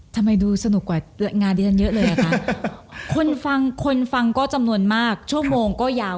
ต้องกล้ากลัวค่ะ